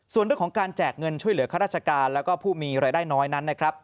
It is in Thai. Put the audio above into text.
ส่วนเรื่องของการแจกเงินช่วยเหลือข้าราชการแล้วก็ผู้มีรายได้น้อยนั้นนะครับ